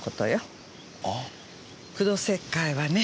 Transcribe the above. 苦土石灰はね